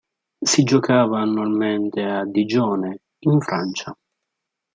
Si giocava annualmente a Digione in Francia.